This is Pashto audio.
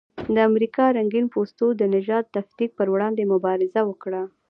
د امریکا رنګین پوستو د نژادي تفکیک پر وړاندې مبارزه وکړه.